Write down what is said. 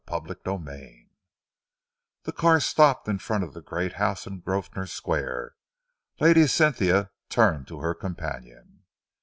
CHAPTER XXVII The car stopped in front of the great house in Grosvenor Square. Lady Cynthia turned to her companion.